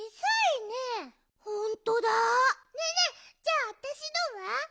ねえねえじゃああたしのは？